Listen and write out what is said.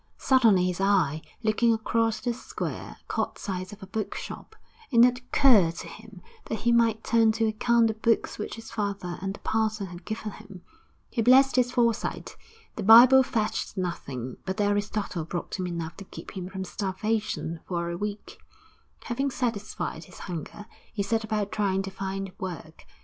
Suddenly his eye, looking across the square, caught sight of a book shop, and it occurred to him that he might turn to account the books which his father and the parson had given him. He blessed their foresight. The Bible fetched nothing, but the Aristotle brought him enough to keep him from starvation for a week. Having satisfied his hunger, he set about trying to find work.